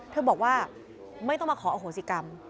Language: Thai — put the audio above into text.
เธอบอกว่าไม่ต้องมาขออโหสิกรรม